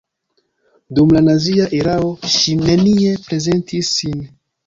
Dum la nazia erao ŝi nenie prezentis sin.